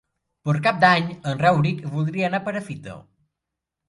Per Cap d'Any en Rauric voldria anar a Perafita.